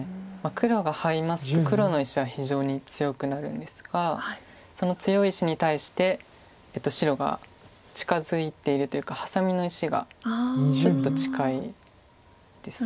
黒がハイますと黒の石は非常に強くなるんですがその強い石に対して白が近づいているというかハサミの石がちょっと近いです。